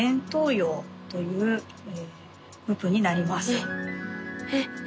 えっえっ。